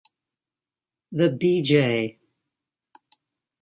The B. J.